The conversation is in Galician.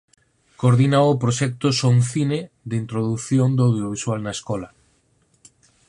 Coordina o proxecto "Son cine" de introdución do audiovisual na escola.